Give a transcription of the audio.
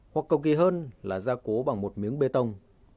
hoặc cầu kỳ hơn là ra cố bằng một miếng bê tông